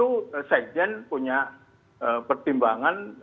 kesekjen punya pertimbangan